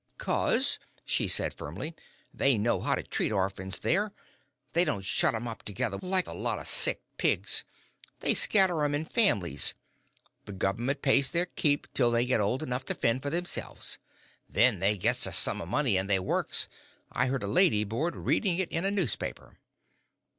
"'Cause," she said, firmly, "they know how to treat orphans there. They don't shut 'em up together like a lot o' sick pigs. They scatter 'em in families. The gover'ment pays their keep till they get old enough to fend for themselves. Then they gets a sum o' money an' they works I heard a lady board readin' it in a newspaper."